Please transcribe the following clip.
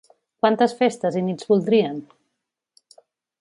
Quantes festes i nits voldrien?